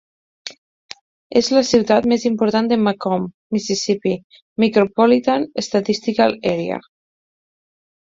És la ciutat més important de McComb, Mississippi Micropolitan Statistical Area.